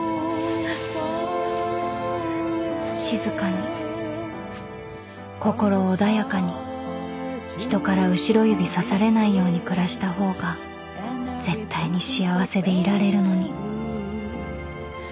［静かに心穏やかに人から後ろ指指されないように暮らした方が絶対に幸せでいられるのに］